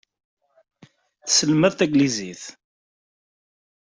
Tesselmad taglizit.